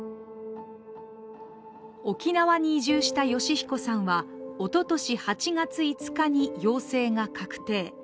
沖縄に移住した善彦さんはおととし８月５日に陽性が確定。